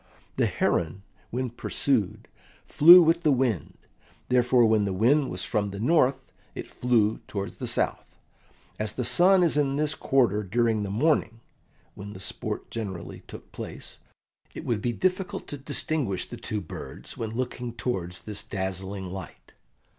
The heron, when pursued, flew with the wind; therefore when the wind was from the north it flew towards the south; as the sun is in this quarter during the morning (when the sport generally took place), it would be difficult to distinguish the two birds when looking towards this dazzling light.